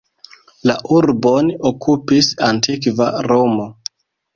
La urbon okupis antikva Romo.